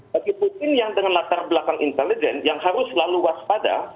bagi putin yang dengan latar belakang intelijen yang harus selalu waspada